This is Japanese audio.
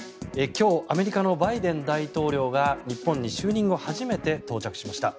今日アメリカのバイデン大統領が日本に就任後初めて到着しました。